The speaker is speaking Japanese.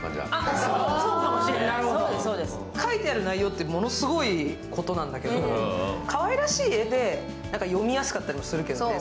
描いている内容ってものすごいことなんだけどかわいらしい絵で読みやすかったりもするけどね。